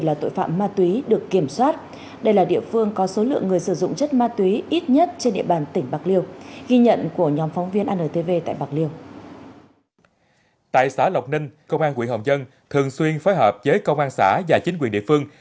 tại xã lộc ninh công an quỹ hồng dân thường xuyên phối hợp với công an xã và chính quyền địa phương